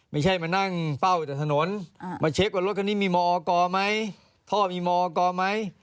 ไม่ใช่มานั่งเป้าอุดถนนมาเช็คว่ารถคันนี้มีมออกมั้ยท่อมีมออกมั้ย